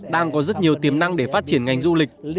đang có rất nhiều tiềm năng để phát triển ngành du lịch